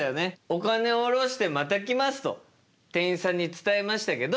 「お金をおろしてまた来ます」と店員さんに伝えましたけど。